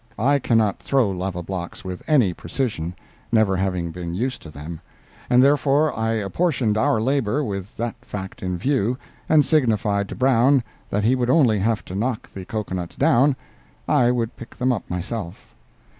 I cannot throw lava blocks with any precision, never having been used to them, and therefore I apportioned our labor with that fact in view, and signified to Brown that he would only have to knock the cocoa nuts down—I would pick them up myself.